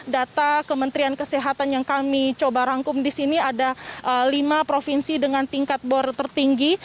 data kementerian kesehatan yang kami coba rangkum di sini ada lima provinsi dengan tingkat bor tertinggi